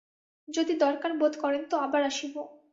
যদি দরকার বোধ করেন তো আবার আসিব।